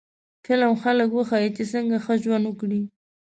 فلم خلک وښيي چې څنګه ښه ژوند وکړي